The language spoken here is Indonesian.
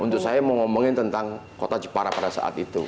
untuk saya mau ngomongin tentang kota jepara pada saat itu